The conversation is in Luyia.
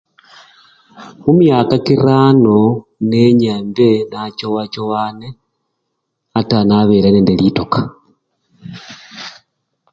Mumyaka kirano nenya embe nachowachowane, ata nabele nende litoka